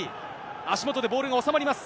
足元でボールが収まります。